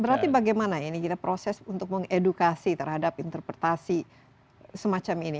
berarti bagaimana ini kita proses untuk mengedukasi terhadap interpretasi semacam ini